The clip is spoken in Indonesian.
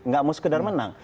tidak mau sekedar menang